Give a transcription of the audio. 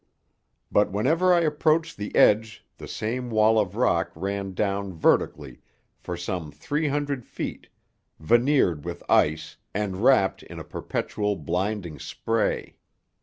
But whenever I approached the edge the same wall of rock ran down vertically for some three hundred feet, veneered with ice and wrapped in a perpetual blinding spray.